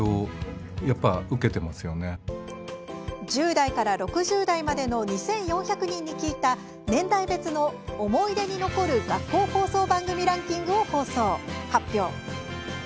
１０代から６０代までの２４００人に聞いた年代別の「思い出に残る学校放送番組ランキング」を発表。